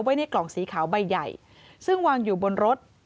ในกล่องสีขาวใบใหญ่ซึ่งวางอยู่บนรถ